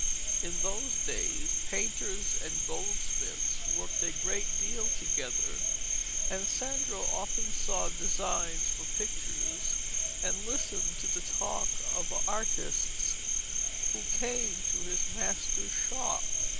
In those days painters and goldsmiths worked a great deal together, and Sandro often saw designs for pictures and listened to the talk of the artists who came to his master's shop.